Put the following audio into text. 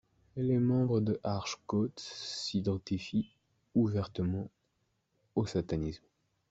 Les membres de Archgoat s'identifient ouvertement au satanisme.